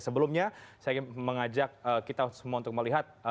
sebelumnya saya ingin mengajak kita semua untuk melihat